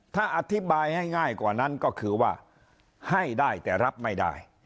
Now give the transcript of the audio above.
ถ้าอธิบายให้ง่ายกว่านั้นก็คือว่าให้ได้แต่รับไม่ได้